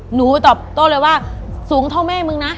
หนูตอบโต้เลยว่าสูงเท่าแม่มึงนะ